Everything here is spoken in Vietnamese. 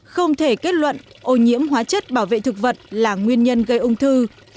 không thể kết luận ô nhiễm hóa chất bảo vệ thực vật là nguyên nhân gây ung thư